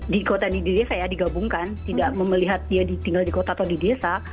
di kota di desa ya digabungkan tidak melihat dia tinggal di kota atau di desa